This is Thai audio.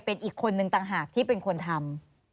เป็นอีกคนนึงต่างหากที่เป็นคนทำ